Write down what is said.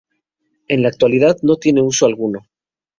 En la actualidad no tiene uso alguno.